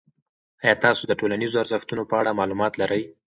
آیا تاسو د ټولنیزو ارزښتونو په اړه معلومات لرئ؟